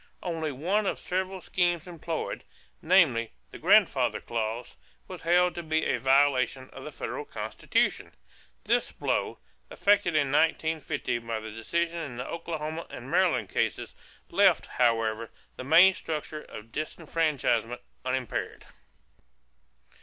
Only one of the several schemes employed, namely, the "grandfather clause," was held to be a violation of the federal Constitution. This blow, effected in 1915 by the decision in the Oklahoma and Maryland cases, left, however, the main structure of disfranchisement unimpaired.